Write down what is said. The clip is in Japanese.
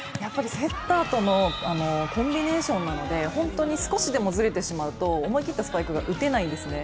セッターとのコンビネーションなので、少しでもずれてしまうと、思い切ったスパイクが打てないんですね。